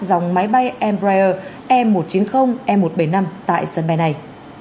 dòng máy bay embrier e một trăm chín mươi e một trăm bảy mươi năm tại sân bay này